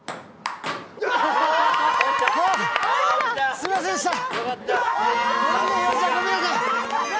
すみませんでした！